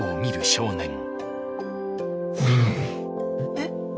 えっ？